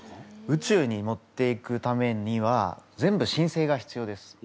宇宙に持っていくためには全部しんせいが必要です。